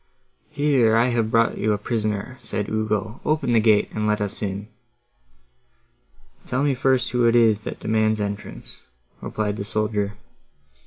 "Here, I have brought you a prisoner," said Ugo, "open the gate, and let us in." "Tell me first who it is, that demands entrance," replied the soldier.